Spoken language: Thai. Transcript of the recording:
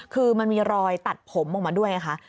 คือมันมีรอยตัดผมออกมาด้วยนะคะ